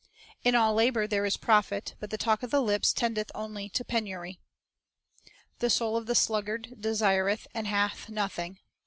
1 "In all labor there is profit; but the talk of the lips tendeth only to penury." 1 'The soul of the sluggard desireth, and hath noth ing."